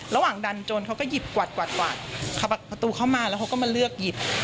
ระหว่างดันโจรเขาก็หยิบกวาดประตูเข้ามาแล้วเขาก็มาเลือกหยิบ